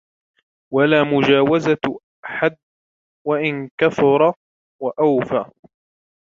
وَلَا مُجَاوَزَةُ حَدٍّ وَإِنْ كَثُرَ وَأَوْفَى